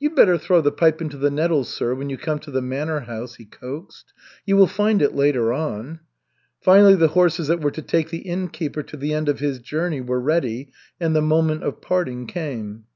"You'd better throw the pipe into the nettles, sir, when you come to the manor house," he coaxed. "You will find it later on." Finally the horses that were to take the innkeeper to the end of his journey were ready, and the moment of parting came.